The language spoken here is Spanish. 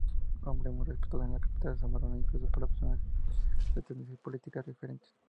Hombre muy respetado en la capital zamorana, incluso por personas de tendencias políticas diferentes.